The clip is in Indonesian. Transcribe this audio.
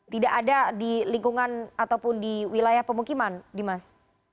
tidak ada di lingkungan ataupun di wilayah pemukiman dimas